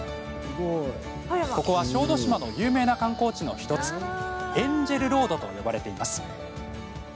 ここは小豆島の有名な観光地の１つエンジェルロードと呼ばれています。